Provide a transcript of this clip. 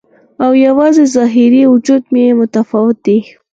او یوازې ظاهري وجود مې متفاوت دی